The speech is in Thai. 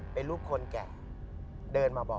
เป็นลูกคนแก่เดินมาบอก